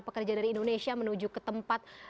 pekerja dari indonesia menuju ke tempat